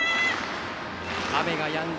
雨がやんだ